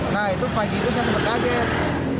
nah itu pagi itu saya terkaget